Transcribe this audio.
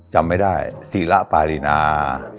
จำไม่ได้ศิระปารีนา